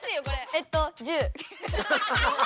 えっと１０。